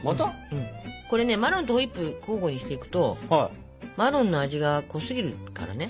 うんこれねマロンとホイップ交互にしていくとマロンの味が濃すぎるからね。